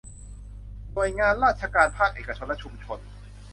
หน่วยงานราชการภาคเอกชนและชุมชน